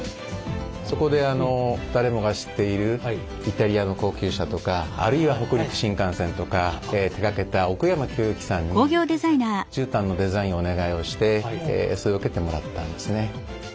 そこで誰もが知っているイタリアの高級車とかあるいは北陸新幹線とか手がけた奥山清行さんに絨毯のデザインをお願いをしてそれを受けてもらったんですね。